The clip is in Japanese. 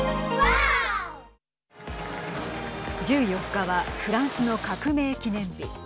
１４日はフランスの革命記念日。